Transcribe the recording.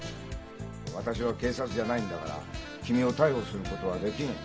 私は警察じゃないんだから君を逮捕することはできん。